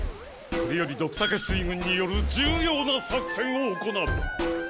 これよりドクタケ水軍による重要な作戦を行う。